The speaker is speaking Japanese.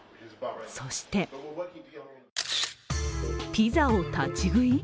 そして、ピザを立ち食い？